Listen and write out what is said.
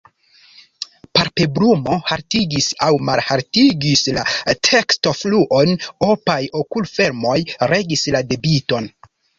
Palpebrumo haltigis aŭ malhaltigis la tekstofluon, opaj okulfermoj regis la debiton.